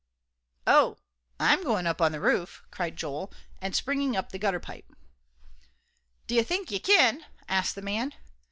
"Oh, I'm goin' up on the roof," cried Joel, and springing up the gutter pipe. "Do ye think ye kin?" asked the man.